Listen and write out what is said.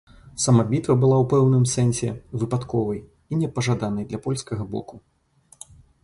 Сама бітва была ў пэўным сэнсе выпадковай і непажаданай для польскага боку.